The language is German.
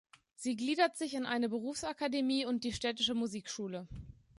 Sie gliedert sich in eine Berufsakademie und die Städtische Musikschule.